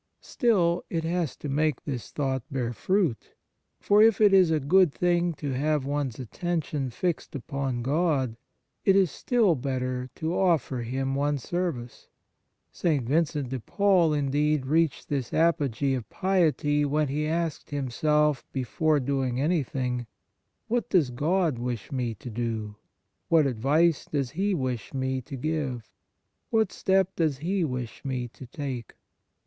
Still, it has to make this thought bear fruit ; for, if it is a good thing to have one's attention fixed upon God, it is still better to offer Him one's service. St. Vincent de Paul, indeed, reached this apogee of piety when he asked himself before doing anything :" What does God wish me to do ? What advice does He wish me to give ? What step does He wish me to take